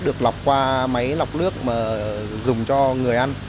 được lọc qua máy lọc nước mà dùng cho người ăn